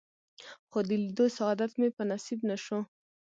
خو د لیدو سعادت مې په نصیب نه شو.